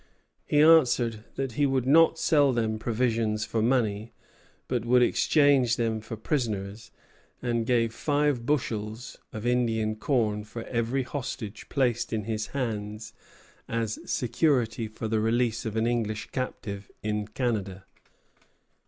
He answered that he would not sell them provisions for money, but would exchange them for prisoners, and give five bushels of Indian corn for every hostage placed in his hands as security for the release of an English captive in Canada.